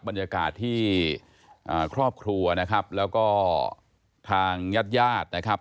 บรรยากาศที่ครอบครัวนะครับแล้วก็ทางญาติญาตินะครับ